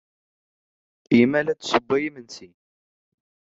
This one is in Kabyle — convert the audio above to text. Yemma la d-tessewway imensi.